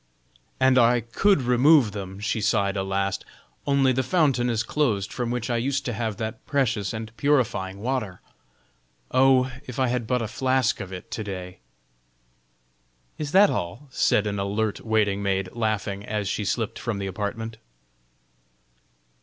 "And I could remove them," she sighed a last, "only the fountain is closed from which I used to have that precious and purifying water. Oh! if I had but a flask of it to day!" "Is that all?" said an alert waiting maid, laughing, as she slipped from the apartment.